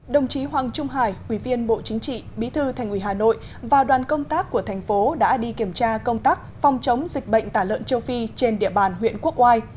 đồng chí hoàng trung hải ủy viên bộ chính trị bí thư thành ủy hà nội và đoàn công tác của thành phố đã đi kiểm tra công tác phòng chống dịch bệnh tả lợn châu phi trên địa bàn huyện quốc oai